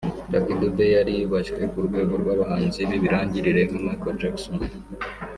Lucky Dube yari yubashywe ku rwego rw’abahanzi b’ibirangirire nka Michael Jackson